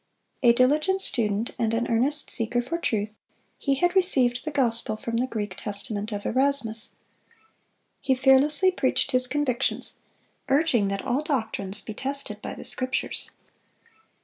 A diligent student and an earnest seeker for truth, he had received the gospel from the Greek Testament of Erasmus. He fearlessly preached his convictions, urging that all doctrines be tested by the Scriptures.